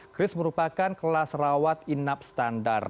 kris merupakan kelas rawat inap standar